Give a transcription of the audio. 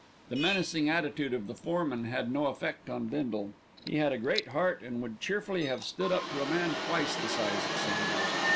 The menacing attitude of the foreman had no effect upon Bindle. He had a great heart and would cheerfully have stood up to a man twice the size of Sanders.